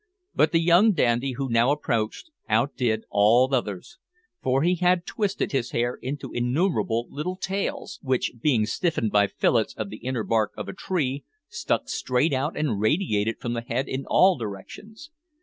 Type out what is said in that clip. But the young dandy who now approached outdid all others, for he had twisted his hair into innumerable little tails, which, being stiffened by fillets of the inner bark of a tree, stuck straight out and radiated from the head in all directions.